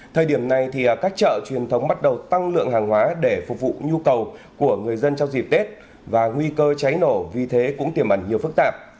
thời điểm này các chợ truyền thống bắt đầu tăng lượng hàng hóa để phục vụ nhu cầu của người dân trong dịp tết và nguy cơ cháy nổ vì thế cũng tiềm ẩn nhiều phức tạp